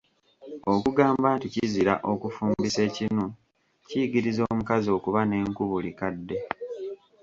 Okugamba nti kizira okufumbisa ekinu, kiyigiriza omukazi okuba n'enku buli kadde.